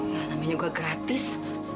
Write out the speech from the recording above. ya namanya gua gratis